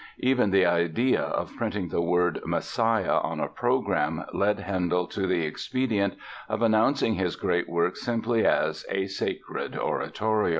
Even the idea of printing the word Messiah on a program led Handel to the expedient of announcing his great work simply as "A Sacred Oratorio."